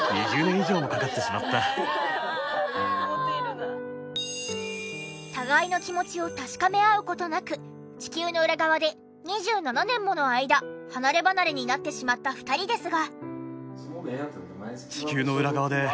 でも互いの気持ちを確かめ合う事なく地球の裏側で２７年もの間離ればなれになってしまった２人ですが。